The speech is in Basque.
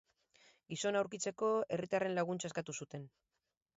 Gizona aurkitzeko herritarren laguntza eskatu zuten.